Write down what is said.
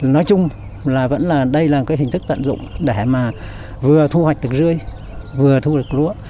nói chung là vẫn là đây là cái hình thức tận dụng để mà vừa thu hoạch được rươi vừa thu được lúa